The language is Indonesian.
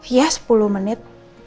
ya sepuluh menit